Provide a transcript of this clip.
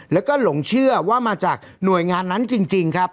แล้วก็หลงเชื่อว่ามาจากหน่วยงานนั้นจริงครับ